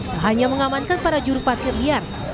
tak hanya mengamankan para juruparkir liar